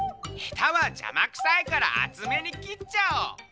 「ヘタはじゃまくさいからあつめにきっちゃおう」。